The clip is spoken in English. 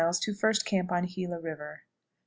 First Camp on Gila River. 29.